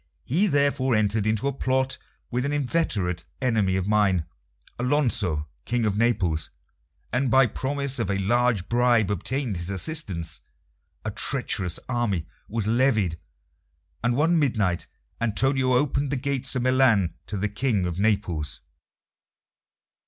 He therefore entered into a plot with an inveterate enemy of mine, Alonso, King of Naples, and by promise of a large bribe obtained his assistance. A treacherous army was levied, and one midnight Antonio opened the gates of Milan to the King of Naples.